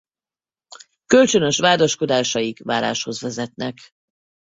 Kölcsönös vádaskodásaik váláshoz vezetnek.